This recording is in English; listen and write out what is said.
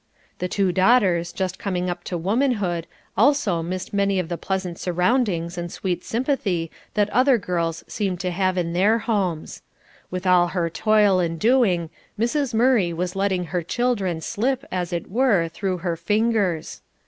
The two daughters, just coming up to womanhood, also missed many of the pleasant surroundings and sweet sympathy that other girls seemed to have in their homes. With all her toil and doing, Mrs. Murray was letting her children slip, as it were, through her fingers.